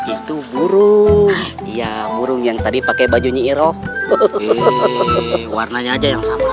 itu burung ya burung yang tadi pakai baju nyiro warnanya aja yang sama